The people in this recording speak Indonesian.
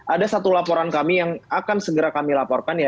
ada satu laporan kami yang akan segera kami laporkan ya